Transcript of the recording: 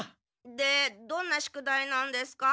でどんな宿題なんですか？